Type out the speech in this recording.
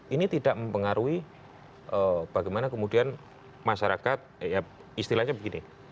ini tidak mempengaruhi bagaimana kemudian masyarakat ya istilahnya begini